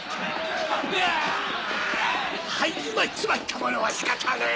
始まっちまったものは仕方ねえ。